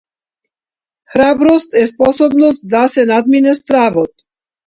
Храброст е способноста да се надмине стравот.